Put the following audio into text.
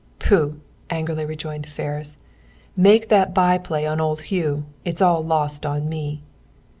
"Pooh!" angrily rejoined Ferris. "Make that by play on old Hugh. It's all lost on me!"